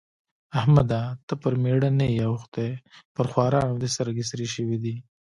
احمده! ته پر مېړه نه يې اوښتی؛ پر خوارانو دې سترګې سرې شوې دي.